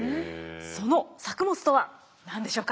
その作物とは何でしょうか？